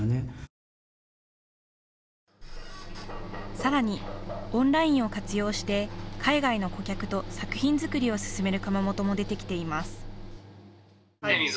さらにオンラインを活用して海外の顧客と作品作りを進める窯元も出てきています。